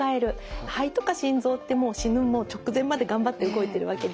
肺とか心臓ってもう死ぬ直前まで頑張って動いてるわけです。